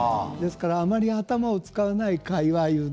あまり頭を使わない会話